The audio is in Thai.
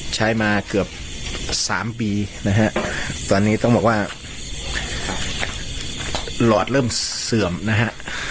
ใช้มาเกือบ๓ปีนะฮะตอนนี้ต้องบอกว่าหลอดเริ่มเสื่อมนะฮะ